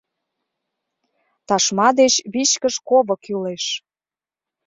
Ташма деч вичкыж ково кӱлеш.